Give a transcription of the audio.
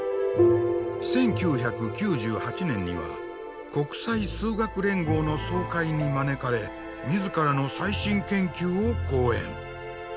１９９８年には国際数学連合の総会に招かれ自らの最新研究を講演。